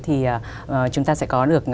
thì chúng ta sẽ có được